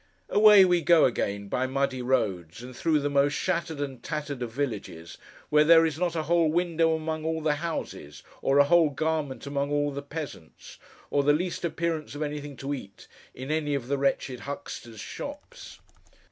Away we go again, by muddy roads, and through the most shattered and tattered of villages, where there is not a whole window among all the houses, or a whole garment among all the peasants, or the least appearance of anything to eat, in any of the wretched hucksters' shops.